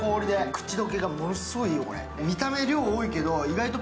口どけがものすごくいいよ、これ。